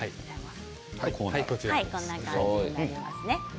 こんな感じになりますね。